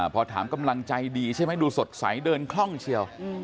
พอถามกำลังใจดีใช่ไหมดูสดใสเดินคล่องเชียว